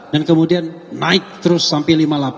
dan kemudian naik terus sampai lima puluh delapan